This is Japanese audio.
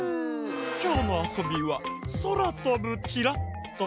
きょうのあそびは「そらとぶチラッと」。